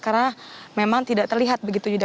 karena memang tidak terlihat begitu